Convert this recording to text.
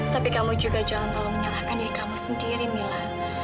tapi kamu juga jangan terlalu menyalahkan diri kamu sendiri mila